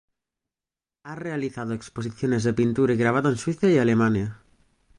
Ha realizado exposiciones de pintura y grabado en Suiza y Alemania.